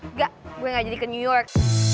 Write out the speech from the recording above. enggak gue gak jadi ke new york